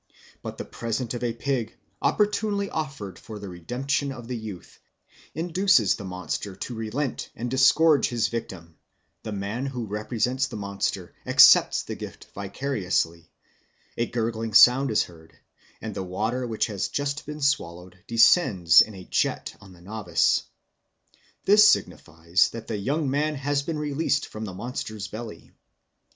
But the present of a pig, opportunely offered for the redemption of the youth, induces the monster to relent and disgorge his victim; the man who represents the monster accepts the gift vicariously, a gurgling sound is heard, and the water which had just been swallowed descends in a jet on the novice. This signifies that the young man has been released from the monster's belly.